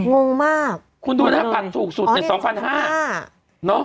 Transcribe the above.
งงมากคุณตัวหน้าบัตรถูกสุดเป็น๒๕๐๐